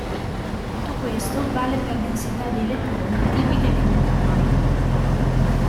Tutto questo vale per densità di elettroni tipiche dei metalli.